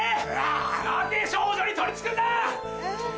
なぜ少女に取りつくんだ！